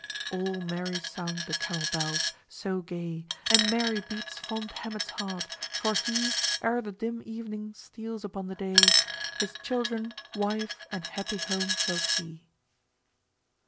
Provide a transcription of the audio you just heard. All merry sound the camel bells, so gay, And merry beats fond Hamet's heart, for he, E'er the dim evening steals upon the day, His children, wife and happy home shall see.